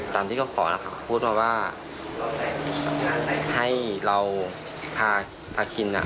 ตามที่เขาขอนะครับพูดมาว่าให้เราพาพาคินอ่ะ